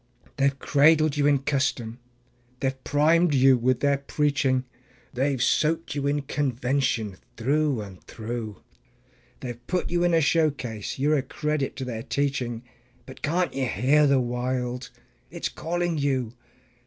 They have cradled you in custom, they have primed you with their preaching, They have soaked you in convention through and through; They have put you in a showcase; you're a credit to their teaching But can't you hear the Wild? it's calling you.